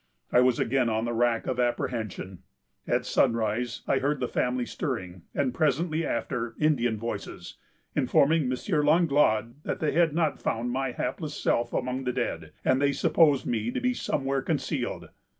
I was again on the rack of apprehension. At sunrise, I heard the family stirring; and, presently after, Indian voices, informing M. Langlade that they had not found my hapless self among the dead, and they supposed me to be somewhere concealed.